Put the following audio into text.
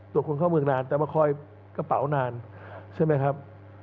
คนเข้าเมืองนานแต่มาคอยกระเป๋านานใช่ไหมครับ